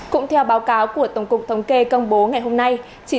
cũng theo báo cáo của tổng cục thống kê công bố ngày hôm nay